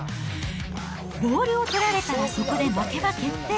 ボールを取られたらそこで負けが決定。